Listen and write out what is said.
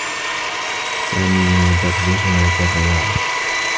سامي مدرّسنا في الرّياضة.